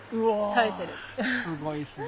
うおすごいっすね。